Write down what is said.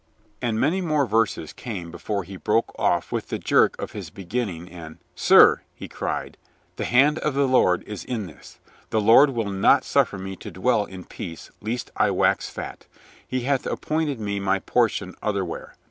24 THE INSPIRATION OF COLONEJL STOW 25 And many more verses came before he broke off with the jerk of his beginning and, "Sir," he cried, "the hand of the Lord is in this. The Lord will not suffer me to dwell in peace lest I wax fat He hath appointed me my portion otherwhere.